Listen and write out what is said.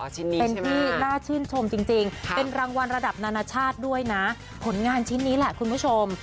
ชิ้นนี้เป็นที่น่าชื่นชมจริงเป็นรางวัลระดับนานาชาติด้วยนะผลงานชิ้นนี้แหละคุณผู้ชม